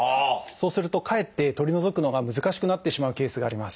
そうするとかえって取り除くのが難しくなってしまうケースがあります。